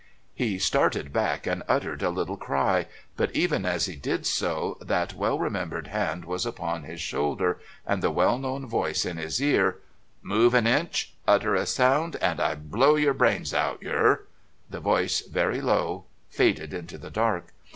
He started back and uttered a little cry, but even as he did so that well remembered hand was upon his shoulder and the well known voice in his ear: "Move an inch, utter a sound, and I blow yer brains out, yer " the voice, very low, faded into, the dark.